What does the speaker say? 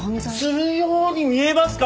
するように見えますか！？